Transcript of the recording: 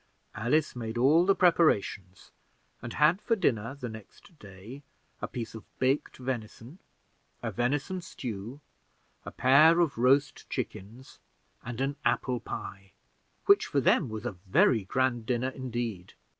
Alice made all the preparations, and had for dinner the next day a piece of baked venison, a venison stew, a pair of roast chickens, and an apple pie which, for them, was a very grand dinner indeed.